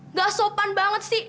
nggak sopan banget sih